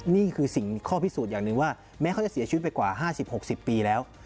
นี่คือสิ่งข้อพิสูจน์อย่างหนึ่งว่าแม้เขาจะเสียชีวิตไปกว่า๕๐๖๐ปีแล้ว